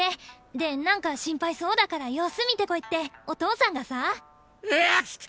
でなんか心配そうだから様子見てこいってお父さんがさ。はっくしゅ！